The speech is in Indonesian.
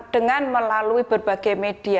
dengan melalui berbagai media